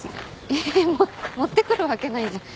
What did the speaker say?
えっ持ってくるわけないじゃん。